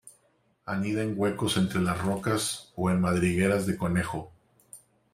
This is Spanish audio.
Anida en huecos entre las rocas o en madrigueras de conejos.